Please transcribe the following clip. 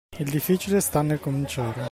Il difficile sta nel cominciare.